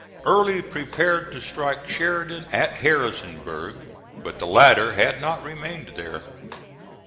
Early prepared to strike Sheridan at Harrisonburg; but the latter had not remained there.